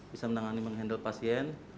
bisa menangani mengendal pasien